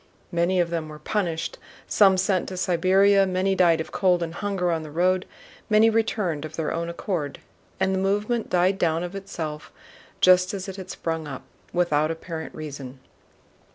Many of them were punished, some sent to Siberia, many died of cold and hunger on the road, many returned of their own accord, and the movement died down of itself just as it had sprung up, without apparent reason.